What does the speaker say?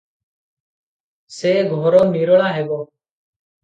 ସେ ଘର ନିରୋଳା ହେବ ।